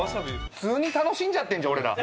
普通に楽しんじゃってんじゃん俺ら！